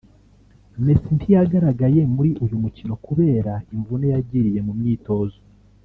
Messi ntiyagaragaye muri uyu mukino kubera imvune yagiriye mu myitozo